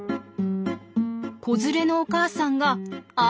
子連れのお母さんがあ！